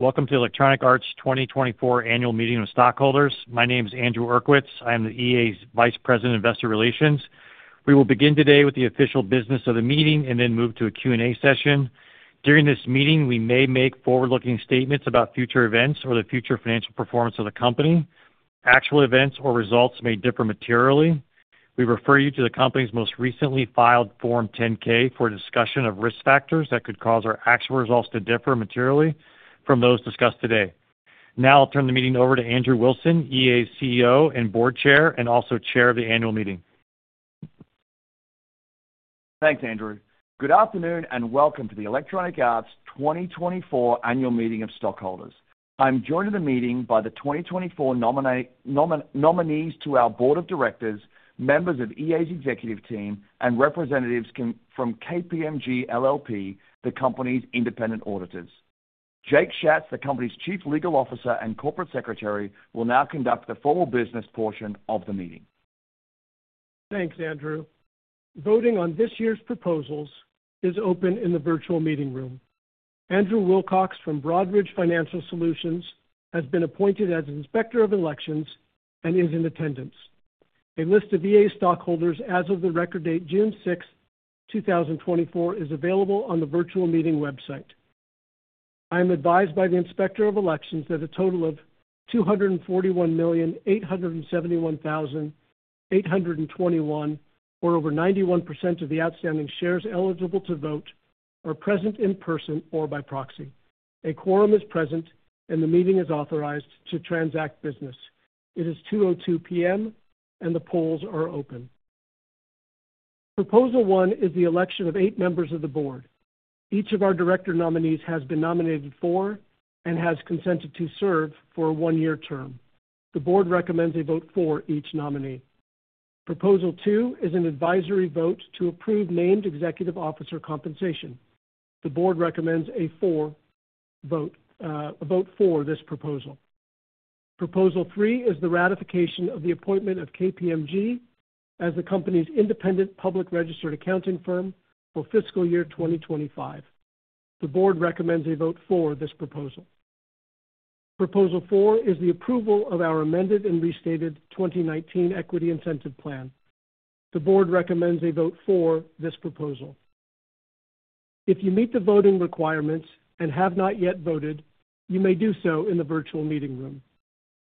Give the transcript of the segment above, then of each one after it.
Welcome to Electronic Arts' 2024 Annual Meeting of Stockholders. My name is Andrew Uerkwitz. I am the EA's Vice President, Investor Relations. We will begin today with the official business of the meeting and then move to a Q&A session. During this meeting, we may make forward-looking statements about future events or the future financial performance of the company. Actual events or results may differ materially. We refer you to the company's most recently filed Form 10-K for a discussion of risk factors that could cause our actual results to differ materially from those discussed today. Now I'll turn the meeting over to Andrew Wilson, EA's CEO and Board Chair, and also Chair of the annual meeting. Thanks, Andrew. Good afternoon, and welcome to the Electronic Arts 2024 Annual Meeting of Stockholders. I'm joined at the meeting by the 2024 nominees to our board of directors, members of EA's executive team, and representatives from KPMG LLP, the company's independent auditors. Jake Schatz, the company's Chief Legal Officer and Corporate Secretary, will now conduct the formal business portion of the meeting. Thanks, Andrew. Voting on this year's proposals is open in the virtual meeting room. Andrew Wilcox from Broadridge Financial Solutions has been appointed as Inspector of Elections and is in attendance. A list of EA stockholders as of the record date, June 6, 2024, is available on the virtual meeting website. I am advised by the Inspector of Elections that a total of 241,871,821, or over 91% of the outstanding shares eligible to vote, are present in person or by proxy. A quorum is present, and the meeting is authorized to transact business. It is 2:02 P.M., and the polls are open. Proposal one is the election of eight members of the board. Each of our director nominees has been nominated for, and has consented to serve for a one-year term. The board recommends a vote for each nominee. Proposal 2 is an advisory vote to approve named executive officer compensation. The board recommends a for vote, a vote for this proposal. Proposal 3 is the ratification of the appointment of KPMG as the company's independent public registered accounting firm for fiscal year 2025. The board recommends a vote for this proposal. Proposal 4 is the approval of our Amended and Restated 2019 Equity Incentive Plan. The board recommends a vote for this proposal. If you meet the voting requirements and have not yet voted, you may do so in the virtual meeting room.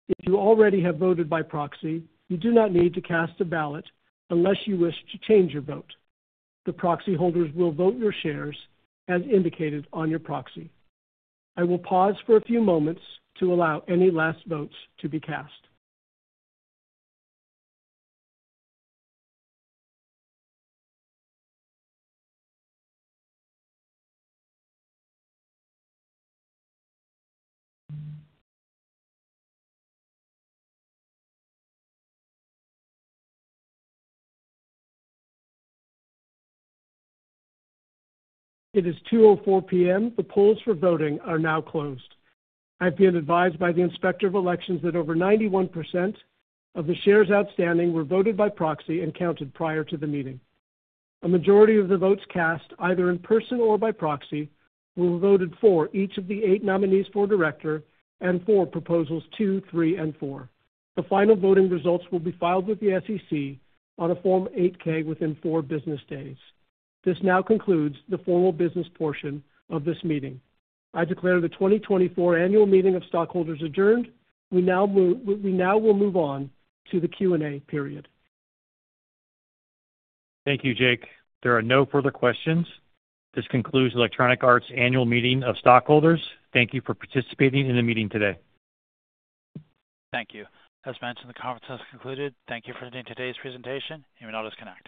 If you already have voted by proxy, you do not need to cast a ballot unless you wish to change your vote. The proxy holders will vote your shares as indicated on your proxy. I will pause for a few moments to allow any last votes to be cast. It is 2:04 P.M. The polls for voting are now closed. I've been advised by the Inspector of Elections that over 91% of the shares outstanding were voted by proxy and counted prior to the meeting. A majority of the votes cast, either in person or by proxy, were voted for each of the eight nominees for director and for proposals 2, 3, and 4. The final voting results will be filed with the SEC on a Form 8-K within four business days. This now concludes the formal business portion of this meeting. I declare the 2024 Annual Meeting of Stockholders adjourned. We now move-- we now will move on to the Q&A period. Thank you, Jake. There are no further questions. This concludes Electronic Arts Annual Meeting of Stockholders. Thank you for participating in the meeting today. Thank you. As mentioned, the conference has concluded. Thank you for attending today's presentation. You may now disconnect.